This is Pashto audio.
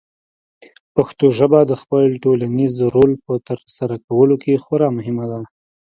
پښتو ژبه د خپل ټولنیز رول په ترسره کولو کې خورا مهمه ده.